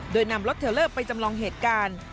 โดยนำรถเทลเลอร์ไปจำลองเหตุการณ์